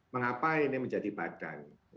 mengapa ini menjadi badan